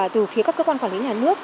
từ phía các cơ quan quản lý nhà nước